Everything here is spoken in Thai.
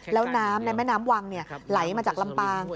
แล้วน้ำในแม่น้ำวังไหลมาจากลำปาง